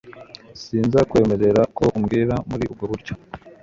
Sinzakwemerera ko umbwira muri ubwo buryo